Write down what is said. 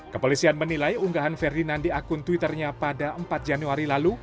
kepolisian menilai unggahan ferdinand di akun twitternya pada empat januari lalu